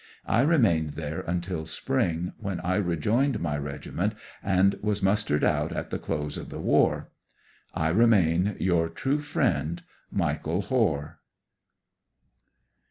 I remained there until spring, when I rejoined my regiment and was mustered out at the close of the war. I remain. Your true friend, MICHAEL IIOARE.